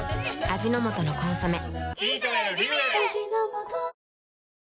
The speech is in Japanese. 味の素の「コンソメ」